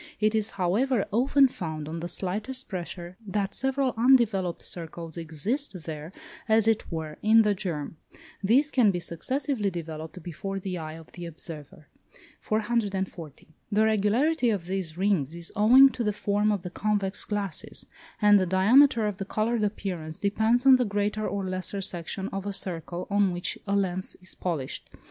It is, however, often found, on the slightest pressure, that several undeveloped circles exist there, as it were, in the germ; these can be successively developed before the eye of the observer. 440. The regularity of these rings is owing to the form of the convex glasses, and the diameter of the coloured appearance depends on the greater or lesser section of a circle on which a lens is polished.